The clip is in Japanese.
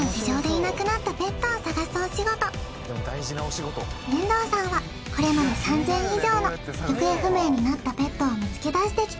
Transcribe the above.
お仕事遠藤さんはこれまで３０００以上の行方不明になったペットを見つけ出してきた